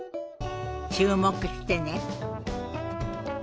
注目してね。